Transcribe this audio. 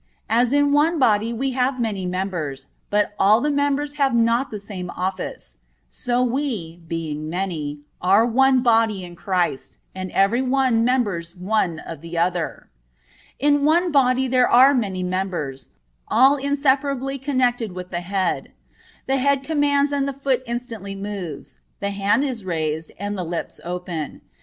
"As in one body we have many members, but all the members have not the same office; so we, being many, are one body in Christ, and every one members one of the other."(23) In one body there are many members, all inseparably connected with the head. The head commands and the foot instantly moves, the hand is raised and the lips open.